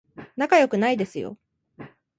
仲良くないですよ